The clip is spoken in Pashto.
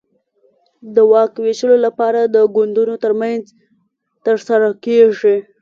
د واک وېشلو لپاره د ګوندونو ترمنځ ترسره کېږي.